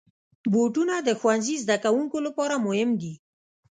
بوټونه د ښوونځي زدهکوونکو لپاره مهم دي.